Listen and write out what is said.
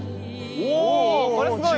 おぉこれすごいね。